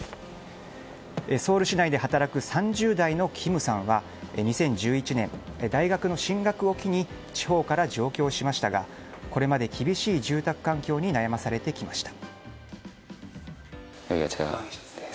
ソウル市内で働く３０代のキムさんは２０１１年、大学の進学を機に地方から上京しましたがこれまで厳しい住宅環境に悩まされてきました。